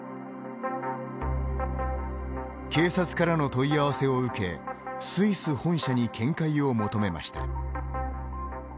警察からの問い合わせを受けスイス本社に見解を求めました。